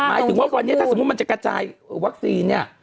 หมายถึงว่าวันนี้ถ้าสมมุติมันจะกระจายวัคซีนเนี่ย